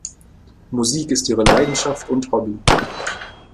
Musik ist ihre Leidenschaft und Hobby.